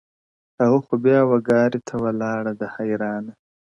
هغه خو بيا و گارې ته ولاړه ده حيرانه’